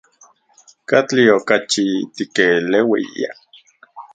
¿Katli okachi tikeleuia?